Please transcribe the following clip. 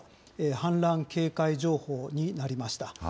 氾濫警戒情報になりました。